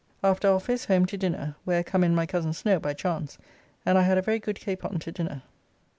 After office home to dinner, where come in my cozen Snow by chance, and I had a very good capon to dinner.